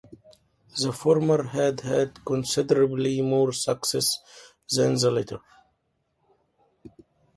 The former had had considerably more success than the latter.